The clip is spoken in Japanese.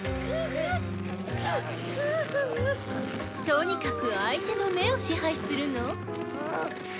とにかく相手の「目」を支配するの。